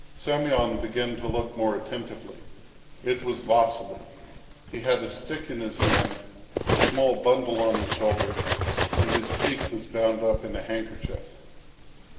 Semyon began to look more attentively. It was Vasily. He had a stick in his hand, a small bundle on his shoulder, and his cheek was bound up in a handkerchief.